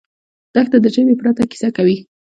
دښته د ژبې پرته کیسه کوي.